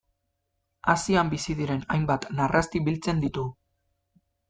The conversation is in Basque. Asian bizi diren hainbat narrasti biltzen ditu.